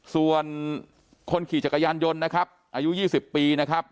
ส่วนคนขี่จักรยานยนต์นะครับอายุ๒๐ปีนะครับ